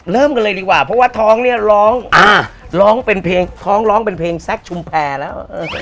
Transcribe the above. เริ่มกันเลยดีกว่าเพราะว่าท้องเนี่ยร้องอ่าร้องร้องเป็นเพลงท้องร้องเป็นเพลงแซคชุมแพรแล้ว